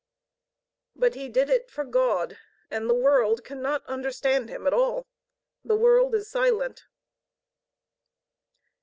But he did it for God, and the world cannot understand him at all: the world is silent.